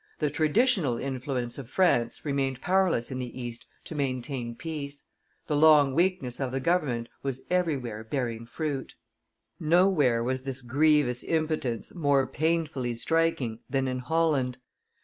The traditional influence of France remained powerless in the East to maintain peace; the long weakness of the government was everywhere bearing fruit. Nowhere was this grievous impotence more painfully striking than in Holland.